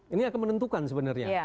ini akan menentukan sebenarnya